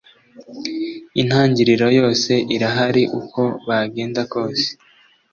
Intangiriro yose irahari uko bagenda kose